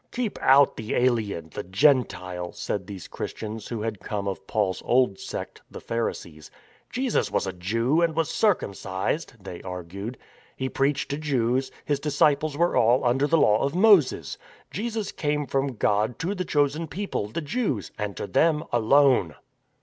" Keep out the alien — the Gentile," said these Chris tians who had come of Paul's old sect — the Pharisees. " Jesus was a Jew, and was circumcised (they argued) ; He preached to Jews, His disciples were all under the Law of Moses. Jesus came from God to the Chosen People, the Jews — and to them alone."